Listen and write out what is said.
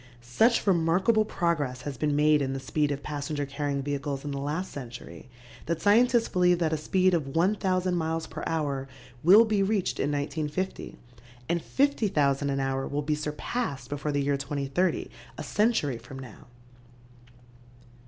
Such remarkable progress has been made in the speed of passenger carrying vehicles in the last century that scientists believe that a speed of 1,000 miles per hour will be reached in 1950 and 50,000 an hour will be surpassed before the year 2030, a century from now.